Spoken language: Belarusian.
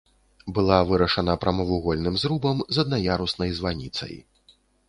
Была вырашана прамавугольным зрубам з аднаяруснай званіцай.